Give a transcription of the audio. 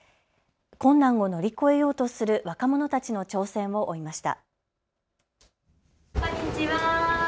困難を乗り越えようとする若者たちの挑戦を追いました。